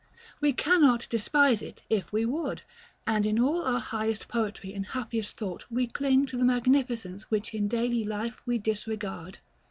We cannot despise it if we would; and in all our highest poetry and happiest thought we cling to the magnificence which in daily life we disregard.